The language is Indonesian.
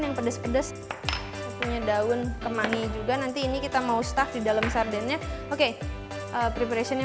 yang pedes pedes punya daun kemangi juga nanti ini kita mau staff di dalam sardennya oke preparation nya